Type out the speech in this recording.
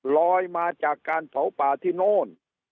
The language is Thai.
ลอยมาจากการเผาป่าที่โน่น